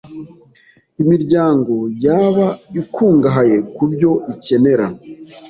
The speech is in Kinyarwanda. imiryango yaba ikungahaye ku byo ikenera.